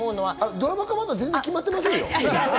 ドラマ化の話は決まってませんよ。